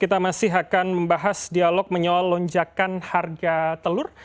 kita masih akan membahas dialog menyalonjakan harga telur